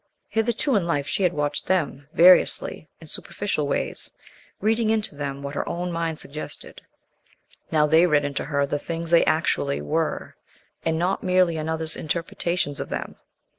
Hitherto in life she had watched them variously, in superficial ways, reading into them what her own mind suggested. Now they read into her the things they actually were, and not merely another's interpretations of them.